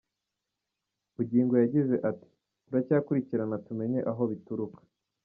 Bugingo yagize ati “Turacyakurikirana tumenye aho bituruka.